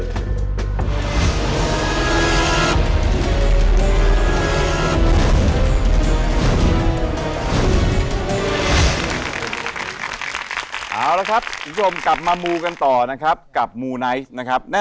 สนับสนุนโดยผลิตภัณฑ์เสิร์ฟอาหารคอลล่าเจน